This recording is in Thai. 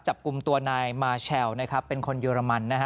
จับกลุ่มตัวนายมาเชลนะครับเป็นคนเยอรมันนะฮะ